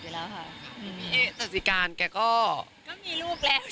ก็ส่วนใหญ่ก็เจอกันตลอดอยู่แล้วค่ะ